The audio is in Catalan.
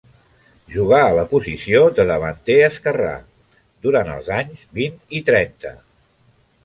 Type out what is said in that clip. Jugà a la posició de davanter esquerrà durant els anys vint i trenta.